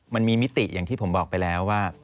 มิติอย่างที่ผมบอกไปแล้วว่า